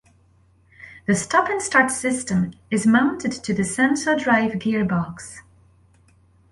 The Stop and Start system is mounted to the SensoDrive gearbox.